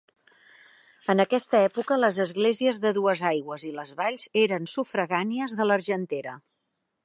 En aquesta època les esglésies de Duesaigües i Les Valls eren sufragànies de l'Argentera.